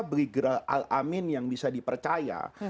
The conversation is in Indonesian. bligeral al amin yang bisa dipercaya